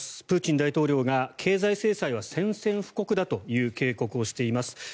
プーチン大統領が経済制裁は宣戦布告だという警告をしています。